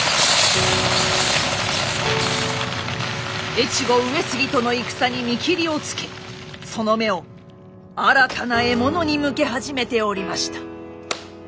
越後上杉との戦に見切りをつけその目を新たな獲物に向け始めておりました。